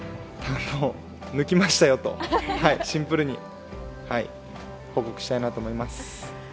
抜きましたよとシンプルに報告したいなと思います。